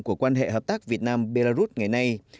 của quan hệ hợp tác việt nam belarus ngày nay